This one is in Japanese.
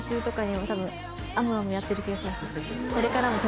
やってる気がします。